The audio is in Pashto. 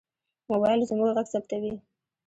موبایل زموږ غږ ثبتوي.